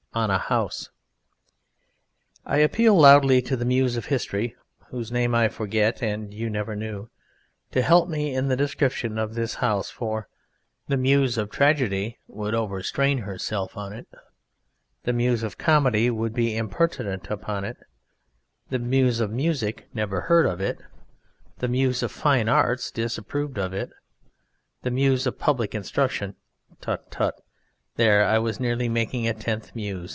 ON A HOUSE I appeal loudly to the Muse of History (whose name I forget and you never knew) to help me in the description of this house, for The Muse of Tragedy would overstrain herself on it; The Muse of Comedy would be impertinent upon it; The Muse of Music never heard of it; The Muse of Fine Arts disapproved of it; The Muse of Public Instruction ... (Tut, tut! There I was nearly making a tenth Muse!